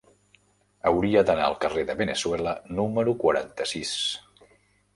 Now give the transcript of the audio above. Hauria d'anar al carrer de Veneçuela número quaranta-sis.